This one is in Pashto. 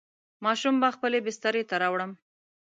ماشوم به خپلې بسترې ته راوړم.